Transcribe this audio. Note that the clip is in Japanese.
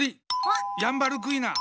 ヤンバルクイナ！